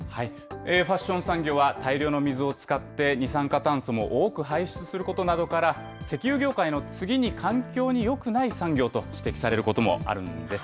ファッション産業は、大量の水を使って二酸化炭素も多く排出することなどから、石油業界の次に環境によくない産業と指摘されることもあるんです。